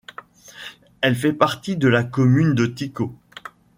Elle fait partie de la commune de Tiko.